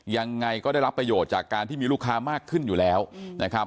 ยังไงก็ได้รับประโยชน์จากการที่มีลูกค้ามากขึ้นอยู่แล้วนะครับ